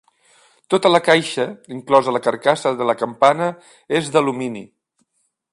Tota la caixa, inclosa la carcassa de la campana, és d'alumini.